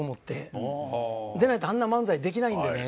でないとあんな漫才できないんでね。